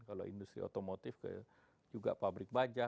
kalau industri otomotif ke juga pabrik baja